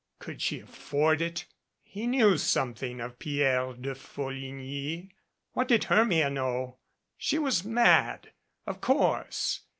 Could she afford it? He knew something of Pierre de Folligny. What did Hermia know? She was mad, of course.